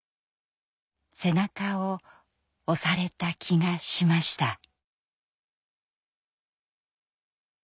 背中を押された気がしました。